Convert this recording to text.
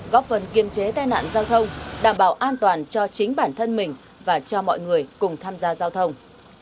góp phần kiềm chế tai nạn giao thông đảm bảo an toàn cho chính bản thân mình và cho mọi người cùng tham gia giao thông